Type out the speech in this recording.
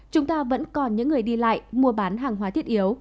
chúng ta vẫn còn những người đi lại mua bán hàng hóa thiệt